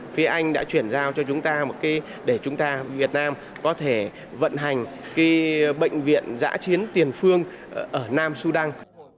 phía anh đã chuyển giao cho chúng ta một cái để chúng ta việt nam có thể vận hành bệnh viện giã chiến tiền phương ở nam sudan